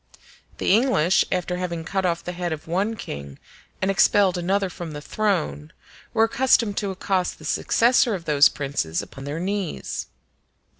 The English, after having cut off the head of one king and expelled another from his throne, were accustomed to accost the successor of those princes upon their knees.